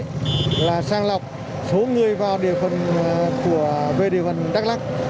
thế là sang lọc số người vào địa phần của vệ địa phần đắk lóc